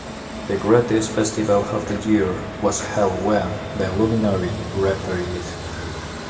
The greatest festival of the year was held when the luminary reappeared.